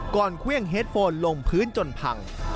ก่อนเควี้ยงเฮ็ดโฟนลงพื้นจนพัง